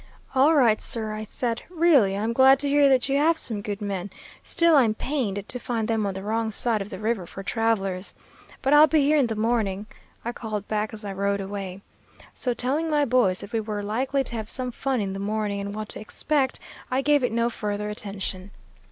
"'All right, sir,' I said. 'Really, I'm glad to hear that you have some good men, still I'm pained to find them on the wrong side of the river for travelers. But I'll be here in the morning,' I called back as I rode away. So telling my boys that we were likely to have some fun in the morning, and what to expect, I gave it no further attention.